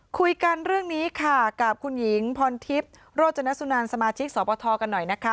คุยกันเรื่องนี้ค่ะกับคุณหญิงพรทิพย์โรจนสุนันสมาชิกสปทกันหน่อยนะคะ